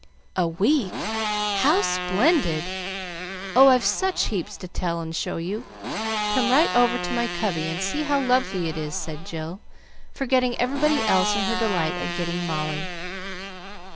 "A week? How splendid! Oh, I've such heaps to tell and show you; come right over to my cubby and see how lovely it is," said Jill, forgetting everybody else in her delight at getting Molly.